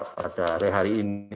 pada hari ini